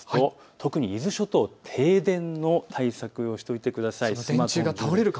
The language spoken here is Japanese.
特に伊豆諸島、停電の対策をしておいてください。